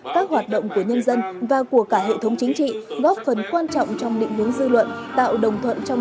các hoạt động của nhân dân và của cả hệ thống chính trị góp phần quan trọng trong định hướng dư luận